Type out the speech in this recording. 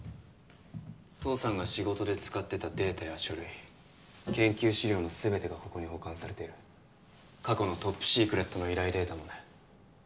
父さんが仕事で使ってたデータや書類研究資料の全てがここに保管されている過去のトップシークレットの依頼データもね